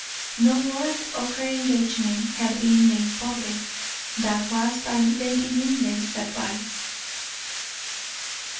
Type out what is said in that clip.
No word of her engagement had been made public; that was by Lady Linleigh's advice.